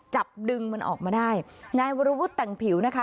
จับดึงมันออกมาได้นายวรวุฒิแต่งผิวนะคะ